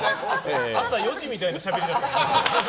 朝４時みたいなしゃべりだった。